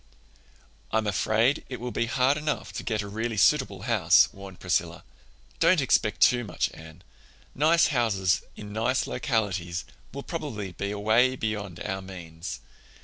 "I'm afraid it will be hard enough to get a really suitable house," warned Priscilla. "Don't expect too much, Anne. Nice houses in nice localities will probably be away beyond our means.